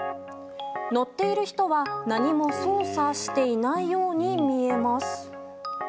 乗っている人は何も操作していないように見えます。